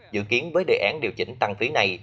dự kiến với đề án điều chỉnh tăng phí này